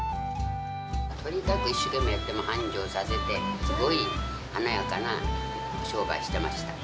とにかく一生懸命やって繁盛させて、すごい華やかな商売してました。